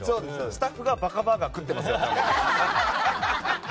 スタッフがバカバーガー食ってますから。